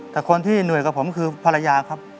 แต่คนที่เหนื่อยกว่าผมคือภรรยาครับ